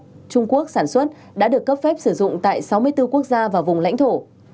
do trung quốc sản xuất đã được cấp phép sử dụng tại sáu mươi bốn quốc gia và vùng lãnh thổ